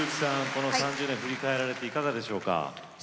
この３０年振り返られていかがでしょうか？